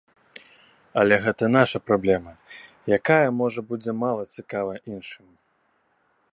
Але гэта наша праблема, якая, можа, будзе мала цікавая іншым.